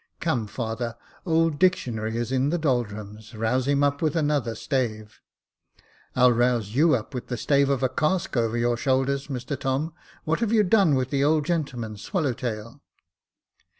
" Come, father, old Dictionary is in the doldrums j rouse him up with another stave." I'll rouse you up with the stave of a cask over your shoulders, Mr Tom. What have you done with the old gentleman's swallow tail